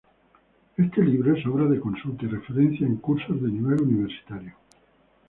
Este libro es obra de consulta y referencia en cursos de nivel universitario.